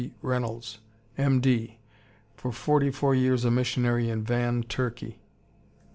Reynolds, M. D., for forty four years a missionary in Van, Turkey.